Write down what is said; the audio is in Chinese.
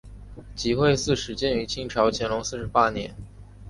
集惠寺始建于清朝乾隆四十八年。